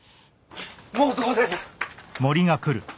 もうそこです。